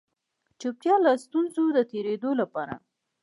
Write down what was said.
چوپتيا له ستونزو د تېرېدلو لپاره